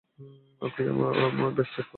আপনি আমার bag check করেছেন।